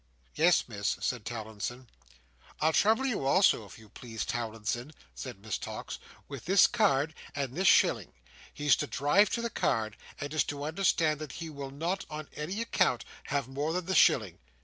"Yes, Miss," said Towlinson. "I'll trouble you also, if you please, Towlinson," said Miss Tox, "with this card and this shilling. He's to drive to the card, and is to understand that he will not on any account have more than the shilling."